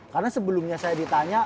karena sebelumnya saya ditanya